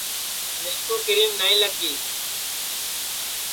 مِسکُو کیرم نائی لگی